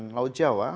di perairan laut jawa